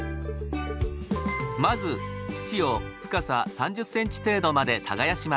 まず土を深さ３０ｃｍ程度まで耕します。